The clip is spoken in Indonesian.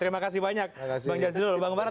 terima kasih banyak bang jasidul bang barat